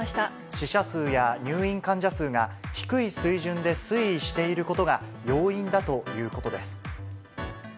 死者数や入院患者数が低い水準で推移していることが要因だということです。